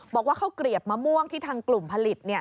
บอกว่าข้าวเกลียบมะม่วงที่ทางกลุ่มผลิต